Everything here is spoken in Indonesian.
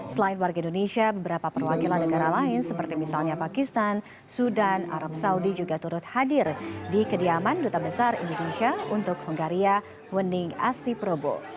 selain warga indonesia beberapa perwakilan negara lain seperti misalnya pakistan sudan arab saudi juga turut hadir di kediaman duta besar indonesia untuk hungaria wening astiprobo